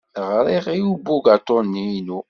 Ɣriɣ i ubugaṭu-inu.